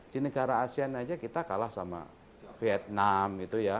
di negara asean aja kita kalah sama vietnam gitu ya